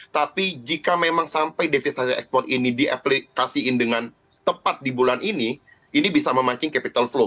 tapi jika memang sampai devisa ekspor ini diaplikasikan dengan tepat di bulan ini ini bisa memancing capital flow